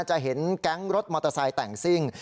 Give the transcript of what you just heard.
จะเห็นแก๊งมอเตอร์ไซซ์แบบแสนแส้งสิ้ง